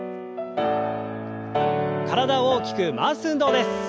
体を大きく回す運動です。